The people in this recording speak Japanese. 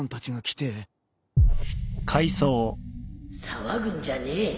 騒ぐんじゃねえ。